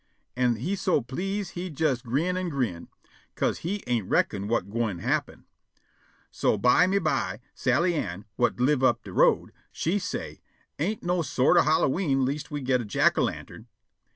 An' he so please' he jes grin' an' grin', 'ca'se he ain't reckon whut gwine happen. So byme by Sally Ann, whut live up de road, she say', "Ain't no sort o' Hallowe'en lest we got a jack o' lantern."